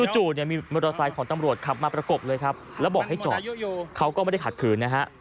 จู่เนี่ยมีมอเตอร์ไซค์ของตำรวจขับมาประกบเลยครับแล้วบอกให้จอดเขาก็ไม่ได้ขัดขืนนะฮะ